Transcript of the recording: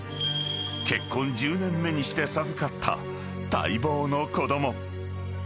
［結婚１０年目にして授かった待望の子供］